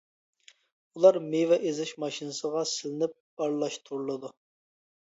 بۇلار مېۋە ئېزىش ماشىنىسىغا سېلىنىپ ئارىلاشتۇرۇلىدۇ.